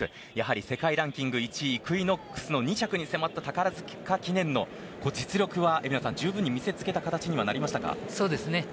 世界ランキング１位イクイノックスの２着に迫った宝塚記念の実力はじゅうぶんに見せ付けた形になりましたか？